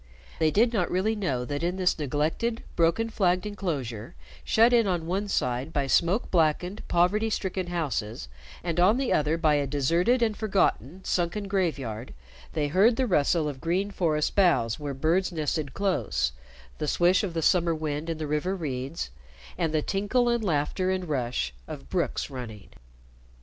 They did not really know that in this neglected, broken flagged inclosure, shut in on one side by smoke blackened, poverty stricken houses, and on the other by a deserted and forgotten sunken graveyard, they heard the rustle of green forest boughs where birds nested close, the swish of the summer wind in the river reeds, and the tinkle and laughter and rush of brooks running.